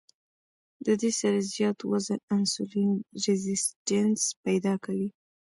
د دې سره زيات وزن انسولين ريزسټنس پېدا کوي